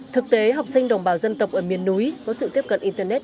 thực tế học sinh đồng bào dân tộc ở miền núi có sự tiếp cận internet